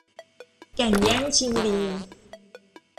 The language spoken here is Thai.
แก่งแย่งชิงดี